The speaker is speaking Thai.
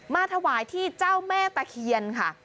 มาถวายที่เจ้าแม่ตะเคียนค่ะ